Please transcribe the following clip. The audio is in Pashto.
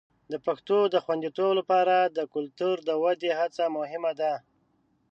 د پښتو د خوندیتوب لپاره د کلتور د ودې هڅه مهمه ده.